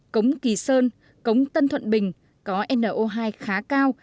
cống kỳ sơn cống tân thuận bình có no hai khá cao